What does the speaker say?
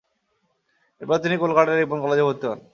এরপর তিনি কলকাতার রিপন কলেজে ভর্তি হন।